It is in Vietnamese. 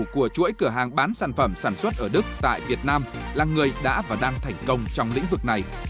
của chuỗi cửa hàng bán sản phẩm sản xuất ở đức tại việt nam là người đã và đang thành công trong lĩnh vực này